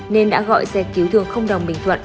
nên đã gọi xe cứu thương đồng bình thuận